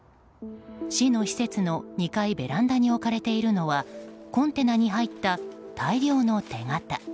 市の施設の２階ベランダに置かれているのはコンテナに入った大量の手形。